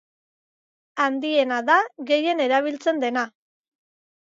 Handiena da gehien erabiltzen dena.